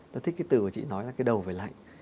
tôi thích cái từ của chị nói là cái đầu về lạnh